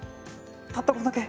たったこれだけ？